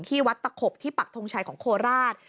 ที่วัดตะขบที่ปักทงชัยของโคราช